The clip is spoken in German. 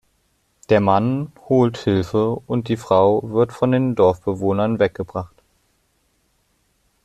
Der Mann holt Hilfe und die Frau wird von den Dorfbewohnern weggebracht.